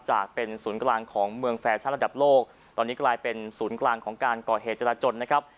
จากเป็นศูนย์กลางของเมืองแฟชั่นระดับโลกตอนนี้กลายเป็นศูนย์กลางของการก่อเหตุจราจนนะครับ